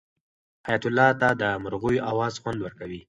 حیات الله ته د مرغیو اواز خوند ورکوي.